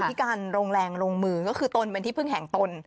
ที่การลงแรงลงมือก็คือตนเป็นที่พึ่งแห่งตน